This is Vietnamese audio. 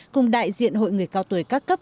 cùng đại diện hội người cao tuổi các cấp